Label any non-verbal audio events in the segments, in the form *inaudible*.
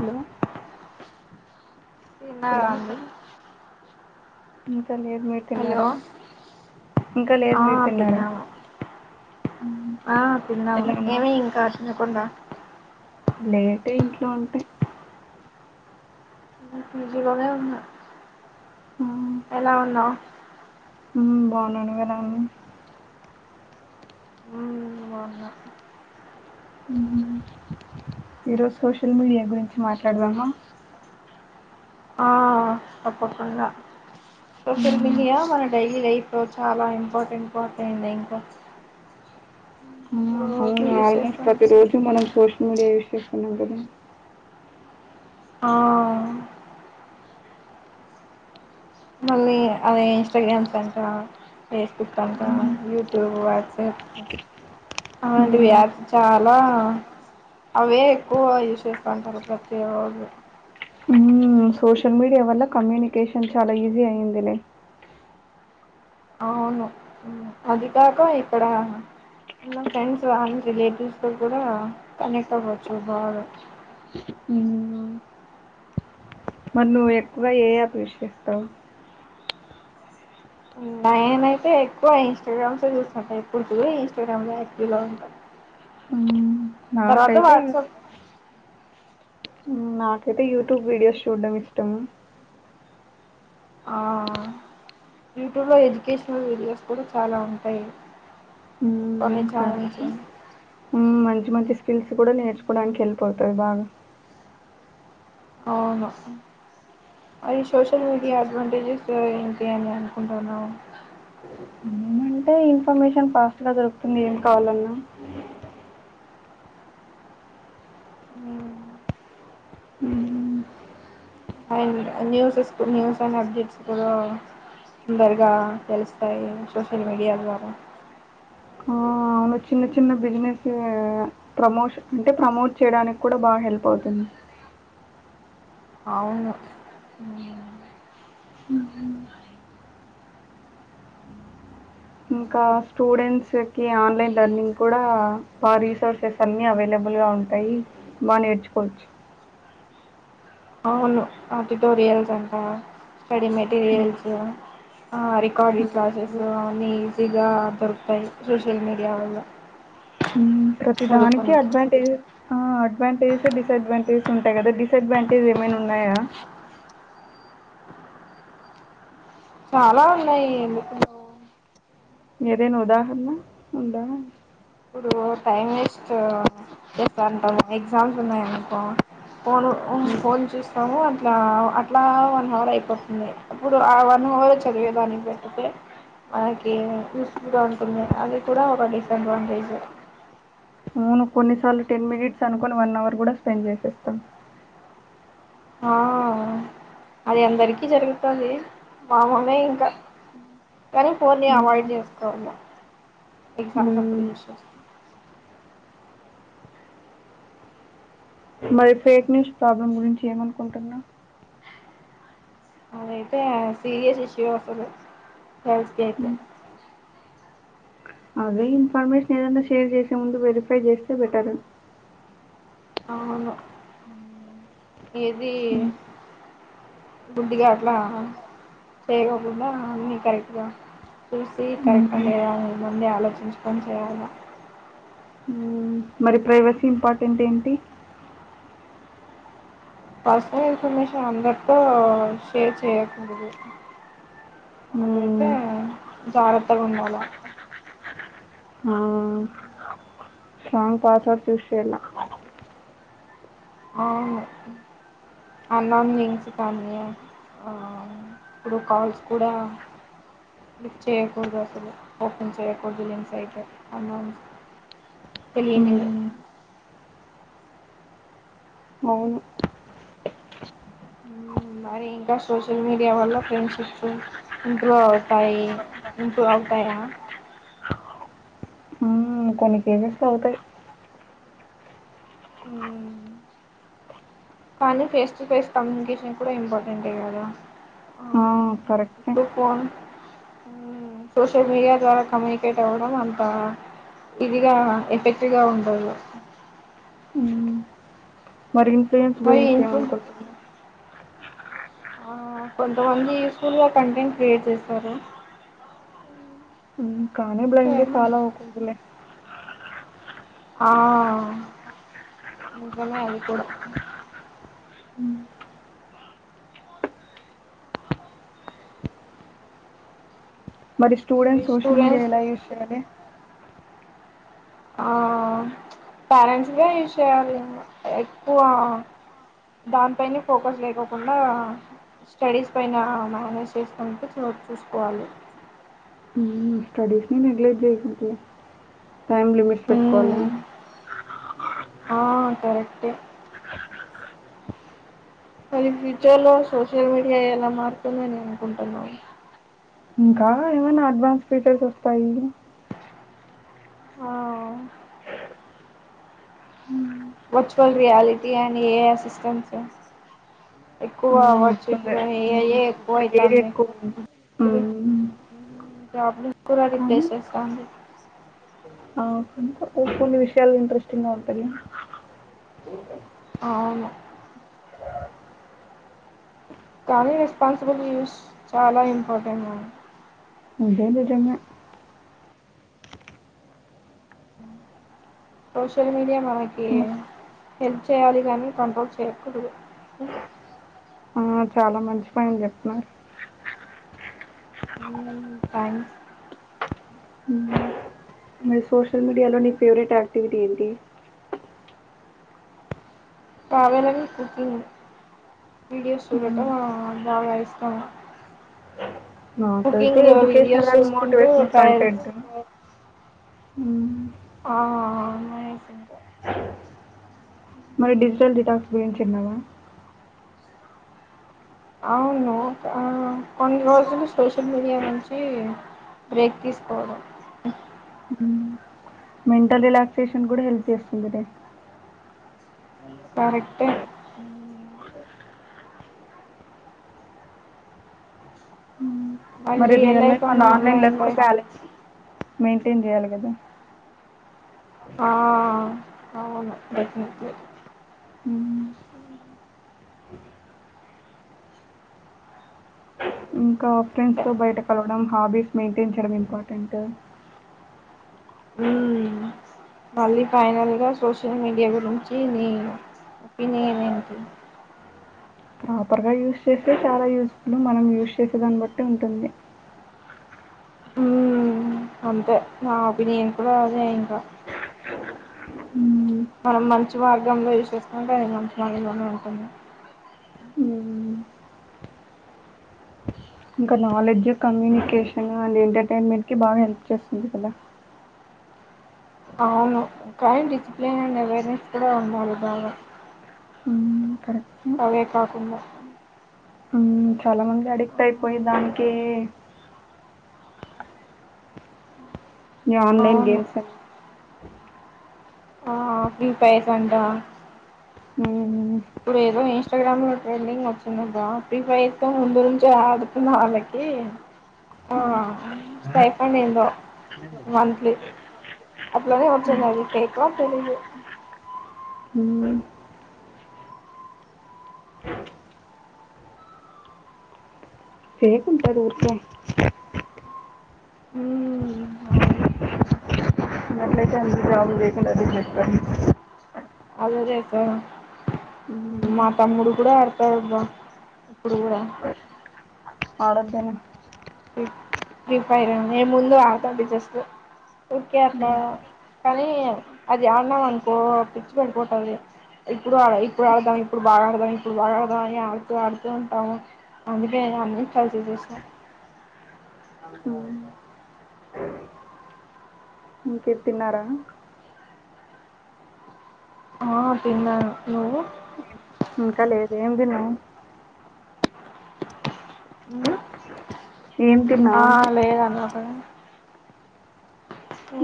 Hello తీన్నారా hello అండి ఇంకా లేదు మీరు హలో తిన్నారా ఇంకా లేదు ఆ మీరు తిన్నారా తిన్నాము ఆ తిన్నాము ఎలా ఉన్నావు ఏమి ఇంకా తినకుండా లేటే ఇంట్లో ఉంటే బిజిగనే ఉన్నా ఎలా ఉన్నావు హ్ బాగున్నా నువ్వు ఎలా ఉన్నావు. ఉ బాగున్నా ఈరోజు సోషల్ మీడియా గురించి మాట్లాడదామా ఆ తప్పకుండా సోషల్ మ్మ్. మీడియా మన డైలీ లైఫ్ లో చాల ఇంపార్టెంట్ పార్ట్ అయింది. ఇంకా ఆ, రోజు అవును యూస్ ఆల్మోస్ట్ ప్రతి చేస్తుంటాం రోజు మనం సోషల్ మీడియా యూస్ చేస్తున్నాం. కదా ఆ మళ్ళీ అదే ఇన్స్టాగ్రామ్ సెంటర్ ఫేస్బుక్ అంట యూట్యూబ్ వాట్సప్ అలాంటి ఉమ్ యాప్స్ చాలా అవే ఎక్కువ యజ్ చేస్త ఉంటారు. ప్రతి రోజు ఉమ్ సోషల్ మీడియా వల్ల కమ్యూనికేషన్ చాలా ఈజీ అయింది లే అవును. అది కాక ఇక్కడ మల్ల ఫ్రెండ్స్ ఆమెకి రిలేటివ్స్ తో కూడా కనెక్ట్ అవ్వచ్చు. బాగా ఉ మరి నువ్వు ఎక్కువ ఏ యాప్ చేస్తావ్. నేనయితే ఎక్కువ ఇన్స్టాగ్రామ్స్ చూస్తుంటా ఎప్పుడు చూ ఇన్స్టాగ్రామ్ లో యాక్టివ్ లో ఉంటా. ఆ తర్వాత నాకైతే ఇగ వాట్సాప్ నాకైతే యూట్యూబ్ వీడియోస్ చూడ్డం ఇష్టం ఆ యూట్యూబ్ లో ఎడ్యుకేషనల్ వీడియోస్ కూడా చాలా ఉంటాయి. కొన్ని హ్ కరెక్ట్ ఛానల్స్ మంచి మంచి స్కిల్స్ కూడా నేర్చు ప్పుడానికి ఏల్పోతది బాగ అవును అది సోషల్ మీడియా అడ్వాంటేజెస్ ఇంకేం అనుకుంటున్నావు. ఏమంటే ఇన్ఫర్మేషన్ ఫాస్ట్ గా దొరుకుతుంది. ఏం కావాలన్నా హ్మ్. అండ్ స్యూస్ అప్డేట్స్ కుడా తొందరగా తెలుస్తాయి. సోషల్ మీడియా ద్వారా ఆ! అవును. చిన్న చిన్న బిజినెస్ ప్రమోషన్ అంటే ప్రమోట్ చేయడానికి కూడా బాగా హెల్ప్ అవుతుంది. అవును హ్మ్. ఇంకా స్టూడెంట్స్ కి ఆన్లైన్ లెర్నింగ్ కూడా బా రీసోర్సెస్ అన్ని అవైలబుల్ గా గా ఉంటాయి బా నేర్చుకోవచ్చు అవును ఆ టుటోరియల్స్ అంట స్టడీ హ్మ్. మెటీరియల్స్ ఆ రికార్డి క్లాసెస్ హ్మ్. అన్ని ఈజీగా దొరుకుతాయి సోషల్ మీడియా వల్ల మ్మ్ ప్రతి దానికి చదువుకోనికి అడ్వాంటేజ్ ఆ అడ్వాంటేజెస్ డిసడ్వాంటేజెస్ ఉంటాయి కదా డిస్డ్వాంటేజ్ ఏమైనా ఉన్నాయా చాలా ఉన్నాయి ఏదైనా ఉదహరణా ఉంద ఇప్పుడు టైమ్ వేస్ట్ చేస్త అంటా ఎగ్జామ్స్ ఉన్నాయనుకో ఫోను ఉ మ్మ్ ఫోన్ చూస్తాము అట్ ఇట్లా అట్లా వన్ హావర్ అయిపోతుంది ఇప్పుడు ఆ వన్ అవర్ చదివేదానికి పెట్టుతే మనకి యూస్ఫుల్గా ఉంటుంది అది కూడా ఒక డిసడ్వాంటేజే అవును కొన్నిసార్లు టెన్ మినిట్స్ అనుకొని వన్ అవర్ కూడా స్పెండ్ చేసేస్తాం ఆ అది అందరికిీ జరుగుతోంది మామూలే ఇంకా కానీ ఫోన్ని మ్మ్ అవాయిడ్ చేసుకోవాలా ఎగ్జామ్ మ్మ్ ప్రిపరేషన్ మరి ఫేక్ న్యూస్ ప్రాబ్లమ్ గురించి ఏమనుకుంటున్నావ్ అదయితే సీరియస్ ఇష్యూ ఓస్తాది గర్ల్ కీ అయితే మ్మ్ అదే ఇన్ఫర్మేషన్ ఏదన్న షేర్ చేసే ముందు వెరిఫై చేస్తే బెటర్ అవును ఈసీ మ్మ్ గుడ్డీగా అట్లా చేయకోకుండా అన్నీ కరెక్ట్గా చూసి కరెక్ట్ టా మ్మ్ లేదానేది మందే ఆలోచించుకొని చేయాలా మ్మ్ మరి ప్రైవసీ ఇంపార్టెంట్ ఏంటి పర్సనల్ ఇన్ఫర్మేషన్ అందరితో షేర్ చేయకూడదు అదైతే మ్మ్ జాగ్రత్తగా ఉండాలా ఆ స్ట్రాంగ్ పాస్వర్డ్స్ యూస్ చేయాలా అవును ఆన్కౌణ్ వింగ్స్ కమ్యూ ఆ ఇప్పుడు కాల్స్ కూడా లిఫ్ట్ చేయ్యకూడదు అసలు ఓపెన్ చేయకూడదు లింక్స్ అయితే అన్నౌ తెలియనిల్ హ్మ్. అవును. ఉ మరి ఇంకా సోషల్ మీడియా వల్ల ఫ్రెండ్షిప్స్ ఇంప్రూవ్ అవుతాయి ఇంప్రూవ్ అవు తాయా హ్మ్. కొన్ని కేజెస్లో అవుతా హ్మ్ కానీ ఫేస్ టు ఫేస్ కమ్యూనికేషన్ కూడా ఇంపార్టెంట్ కదా ఆ టూ ఫోన్ సోషల్ మీడియా ద్వారా కమ్యూనికేట్ అవడం అంతా ఇదిగా ఎఫెక్ట్గా ఉండదు హ్ మరి ఇన్ఫ్లుయెన్స్ మరి గురించి ఏమ ఇంట్లో అనుకుంటున్నా కొంతమంది యూస్ఫుల్గా కంటెంట్ క్రియేట్ చేస్తారు కనీ ఏం బ్లైండ్ గా చేయాలి? ఫాలో అవ్వకూడదు లే ఆ నిజమే అది కూడా మరి స్టూడెంట్స్ సోషల్ మీడియా ఎలా యూస్ చేయ్యాలి ఆ పేరెంట్స్గా గు యూజ్ చేయాలి ఏమో ఎక్కువ దాని పైనే ఫోకస్ లేకోకుండా స్టడీస్ పైన మేనేజ్ చేసుకుంటే చోటు చూసుకోవాలి. ఉ స్టడీస్ ని నెగ్లెక్ట్ చేయకుంటే టైమ్ లిమిట్స్ పెట్టుకోవాల. మ్మ్ ఆ కరెక్టే. మరి ఫ్యూచర్ లో సోషల్ మీడియా ఎలా మారుతుందని అనుకుంటున్నారు. ఇంకా ఏమైనా అడ్వాన్స్ ఫీచర్స్ వస్తాయి ఆ వర్చువల్ రియాలిటీ అని ఏ అసిస్టెంస్ ఎక్కువ ఆ! వర్చ వస్తుంది. ఇప్పుడు ఏ ఐ హ్మ్. ఎక్కువ ఇప్పుడు ఏది అయితాంది. ఎక్కువుంది. హ్మ్. జాబ్లస్ కూడా కానీ రిప్లేస్ చేసేస్తాంది. ఇంకొన్ని విషయాలు ఇంట్రెస్టింగ్ గా ఉంటాయ. అవును కానీ రెస్పాన్సిబుల్ యూస్ చాలా ఇంపార్టెంట్ అండి అంతే నిజంగా సోషియల్ మీడియా మనకి. హ్మ్. హెల్ప్ చేయాలి కానీ కంట్రోల్ చేయకూడదు. ఆ చాలా మంచి పాయింట్ చెప్తున్నారు. మ్ ఫైన్ హ్మ్. మరి సోషల్ మీడియాలో నీ ఫేవరెట్ యాక్టివిటీ ఏంటి? బావేలవి కూర్చంది *unintelligible* వీడియోస్ హ్మ్. చూడటం చాలా ఇష్టం నాకైతే కుకింగ్ ఎడ్యుకేషనల్ వీడియోస్ అండ్ చూసుకుంటూ మోటివేషనల్ ట్రయల్స్ కంటెంట్. హ్మ్. ఆ ఆ మ *unintelligible* మరి డిజిటల్ డిటాక్స్ గురించి విన్నావా? అవును కొన్ని రోజులు సోషల్ మీడియా నుంచి బ్రేక్ తీసుకోవడం హ్మ్. మెంటల్ రిలాక్సేషన్ కూడా హెల్ప్ చేస్తుంది లే. కరెక్టే హ్మ్. మరి రియల్ లైఫ్ అండ్ ఆన్లైన్ లేకుండా బ్యాలెన్స్ మెయింటైన్ చేయాలి కదా! హ అవును డెఫినెట్లి ఉమ్ ఇంకా ఫ్రెండ్స్ తో బయటకి వెళ్ళడం హాబీస్ మెయింటైన్ చేయడం ఇంపార్టెంట్. మ్మ్ మళ్ళీ ఫైనల్ గా సోషల్ మీడియా గురించి నీ ఒపీనియన్ ఏంటి? ప్రాపర్గా యూస్ చేస్తే చాలా యూస్ ఫుల్ మనం యూస్ చేసేదాన్ని బట్టి ఉంటుంది. మ్మ్ అంతే నా ఒపీనియన్ కూడా అదే ఇంక మ్మ్. మనం మంచి మార్గంలో యూస్ చేసుకుంటే ఇక అంత మంచి మార్గంలోనే ఉంటుంది. మ్మ్. ఇంకా నాలెడ్జ్ కమ్యూనికేషన్ అండ్ ఎంటర్టైన్మెంట్కి బాగా హెల్ప్ చేస్తుంది కదా? అవునుకానీ డిసిప్లిన్ అండ్ అవేర్నెస్ కూడా ఉండాలి బాగా మ్మ్, కరెక్టే అవే కాకుండా మ్మ్, చాలా మంది అడిక్ట్ అయిపోయి దానికే నీ ఆన్లైన్ అవును గేమ్స్ అని ఆ ఫ్రీ ఫయర్ అంట. మ్మ్, ఇప్పుడు ఏదో ఇస్తగ్రామ్ లో ట్రెండింగ్ వచ్చింది బా ఫ్రీ ఫైర్ ముందు నుంచి ఆడుతున్నా వాళ్ళకి ఓ *inaudible* ఆ స్టైఫాండ్ ఏందో మంత్లీ అట్లనే వచ్చునాది. ఫేక్ ఓ తెలియదు మ్మ్. ఫేక్ ఉంటాది ఊరికే అవును అట్లయితే అందరూ జాబ్లు చేయకుండా అదే చేస్తారు. అది అదే అక్కా మ్మ్, మా తమ్ముడు కూడా ఆడతాడు ఇప్పుడు కూడా అడుతను ఫ్రీ ఫైర్ నేను ముందు ఆడతా బిజెస్ట్ ఓకే అక్కా మ్మ్, మ్మ్. కానీ అది ఆన్నాం అనుకో పిచ్చి పట్టి పోతాది ఇప్పుడు ఆడ ఇప్పుడు అర్థమై ఇప్పుడు బాగా అర్థమై ఇప్పుడు బాగా అర్థమై అని ఆడుతూ ఆడుతూ ఉంటాము అందుకే గా అన్ని ట్రై చేసేసా ఇంకేంటి తిన్నారా ఆ తిన్నాను నువ్వు ఇంకా లేదు ఏమి తిన్నావు ఏం అ తిన్నావు అంటే లేదన్నావు కదా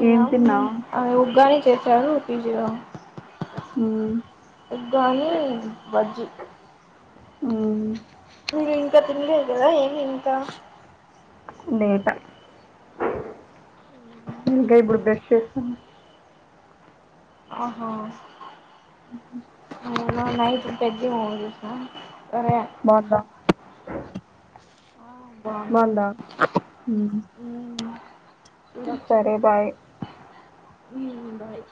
ఏం తిన్నావు ఆమె ఉగ్గానీ చేశారూ పీజీ లో మ్మ్, ఉగ్గానీ బజ్ ఉమ్ మీరు ఇంకా తినలేదు కదా ఏమి ఇంకా లేట ఇంకా ఇప్పుడు బ్రెష్ చేస్తున్నా ఆహా అ నైట్ పెద్దగా ఊడతీసిన బాగుందా బాగుంది బావుందా సరే బాయ్ ఉమ్ బాయ్